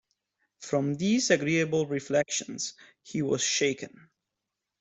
From these agreeable reflections he was shaken.